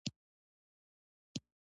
په کمو امکاناتو او سختو شرایطو کې هیله لري.